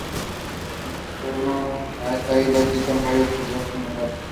En torno a esta isla existen varios islotes menores.